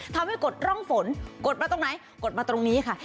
กดร่องฝนกดมาตรงไหนกดมาตรงนี้ค่ะ